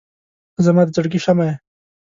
• ته زما د زړګي شمعه یې.